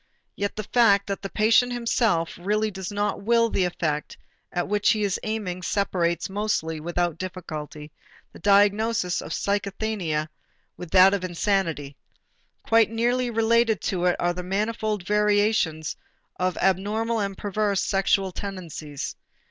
Yet the fact that the patient himself really does not will the effect at which he is aiming separates, mostly without difficulty, the diagnosis of psychasthenia from that of insanity. Quite nearly related to it are the manifold variations of abnormal and perverse sexual tendencies.